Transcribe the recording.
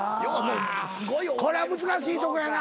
あこれは難しいとこやな。